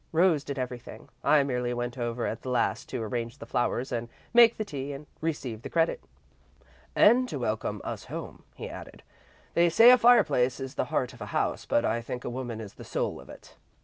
Rose did everything. I merely went over at the last to arrange the flowers, make the tea, and receive the credit." "And to welcome us home," he added. "They say a fireplace is the heart of a house, but I think a woman is the soul of it."